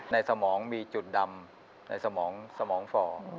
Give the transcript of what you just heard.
ไหนสมองมีจุดดำในสมองฝ